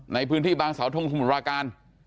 ในพื้นที่บางสาวทงสมุทราการ